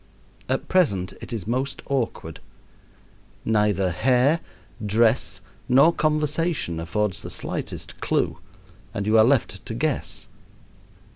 At present it is most awkward. Neither hair, dress, nor conversation affords the slightest clew, and you are left to guess.